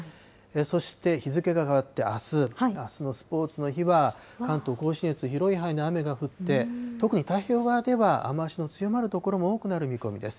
そして日付が変わってあす、あすのスポーツの日は関東甲信越、広い範囲で雨が降って、特に太平洋側では、雨足の強まる所も多くなる見込みです。